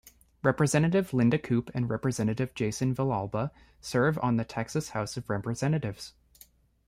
Representative Linda Koop and Representative Jason Villalba serve on the Texas House of Representatives.